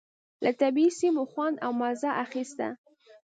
له طبعي سیمو خوند او مزه اخيسته.